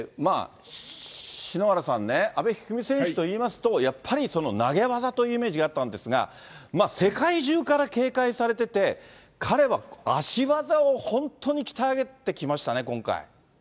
篠原さんね、阿部一二三選手といいますと、やっぱり投げ技というイメージがあったんですが、世界中から警戒されてて、彼は足技を本当に鍛え上げてきましたね、今回。